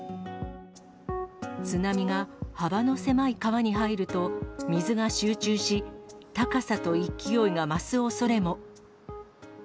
津波が幅の狭い川に入ると、水が集中し、高さと勢いが増すおそれも。